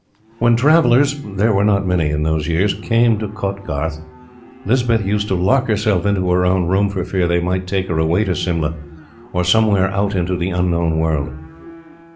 When travellers there were not many in those years came to Kotgarth, Lispeth used to lock herself into her own room for fear they might take her away to Simla, or somewhere out into the unknown world.